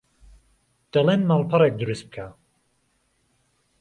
دەڵێن ماڵپەڕێک درووست بکە